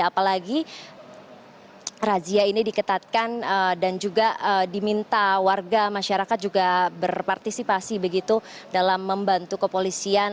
apalagi razia ini diketatkan dan juga diminta warga masyarakat juga berpartisipasi begitu dalam membantu kepolisian